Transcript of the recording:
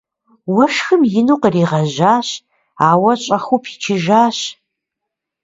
Уэшхым ину къригъэжьащ, ауэ щӏэхыу пичыжащ.